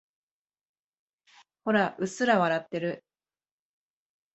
ほら、うっすら笑ってる。